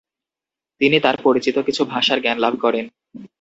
তিনি তার পরিচিত কিছু ভাষা'র জ্ঞান লাভ করেন।